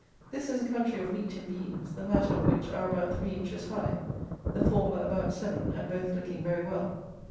This is a country of wheat and beans; the latter of which are about three inches high, the former about seven, and both looking very well.